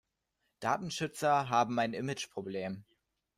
Datenschützer haben ein Image-Problem.